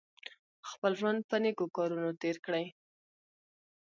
خپل ژوند په نېکو کارونو تېر کړئ.